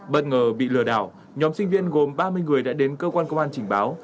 bất ngờ bị lừa đảo nhóm sinh viên gồm ba mươi người đã đến cơ quan công an trình báo